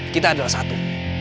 kita adalah satu